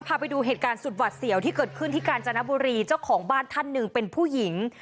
พาไปดูเหตุการณ์สุดหวัดเสี่ยวที่เกิดขึ้นที่กาญจนบุรีเจ้าของบ้านท่านหนึ่งเป็นผู้หญิง